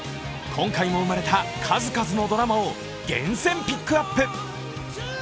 今回も生まれた数々のドラマを厳選ピックアップ。